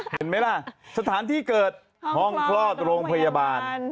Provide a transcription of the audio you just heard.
เห็นไหมล่ะสถานที่เกิดห้องคลอดโรงพยาบาล